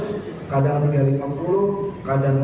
mereka bermacam macam tergantung dari kelihayan sejoki